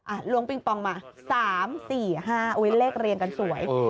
อ่ะร้วงปริงปองมาสามสี่ห้าเออเลขเรียนกันสวย